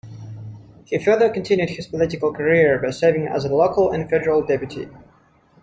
He further continued his political career by serving as a local and federal deputy.